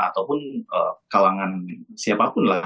ataupun kalangan siapapun lah